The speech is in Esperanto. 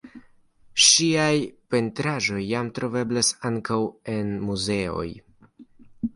Ŝiaj pentraĵoj jam troveblas ankaŭ en muzeoj.